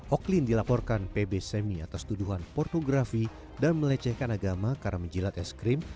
oklin dilaporkan pb semi atas tuduhan pornografi dan melecehkan agama karena menjilat es krim